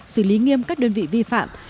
xử lý nghiêm các đơn vị vi phạm